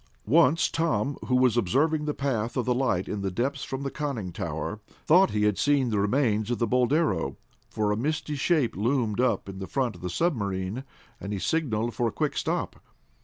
Once Tom, who was observing the path of light in the depths from the conning tower, thought he had seen the remains of the Boldero, for a misty shape loomed up in front of the submarine, and he signaled for a quick stop.